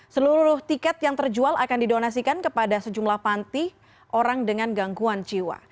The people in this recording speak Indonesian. seluruh tiket yang terjual akan didonasikan kepada sejumlah panti orang dengan gangguan jiwa